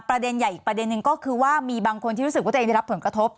ประเด็นใหญ่อีกประเด็นนึงก็คือว่ามีบางคนที่รู้สึกว่าตัวเองได้รับผลกระทบ